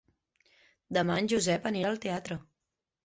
Demà en Josep anirà al teatre.